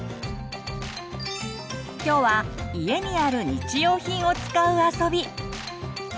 今日は家にある日用品を使う遊び。